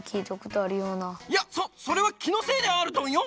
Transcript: いやそそれはきのせいであるドンよ！